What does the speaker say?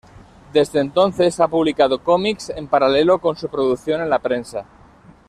Desde entonces ha publicado cómics en paralelo con su producción en la prensa.